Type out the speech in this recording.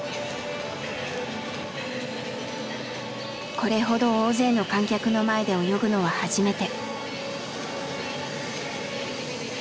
これほど大勢の観客の前で泳ぐのは初めて。